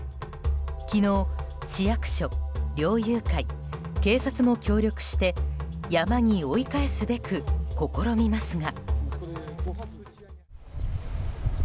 昨日、市役所、猟友会、警察も協力して山に追い返すべく試みますが。